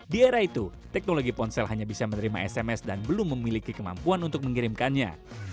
di era itu teknologi ponsel hanya bisa menerima sms dan belum memiliki kemampuan untuk mengirimkannya